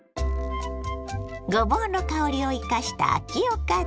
ごぼうの香りを生かした秋おかず。